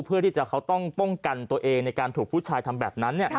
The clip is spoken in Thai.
เพื่อที่จะเขาต้องป้องกันตัวเองในการถูกผู้ชายทำแบบนั้น